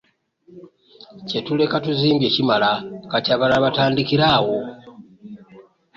Kye tuleka tuzimbye kimala kati abalala batandikire awo.